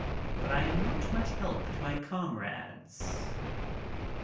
But I am not much help to my comrades.